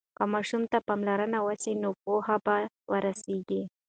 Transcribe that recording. که ماشوم ته پاملرنه وسي نو پوهه به ورسيږي.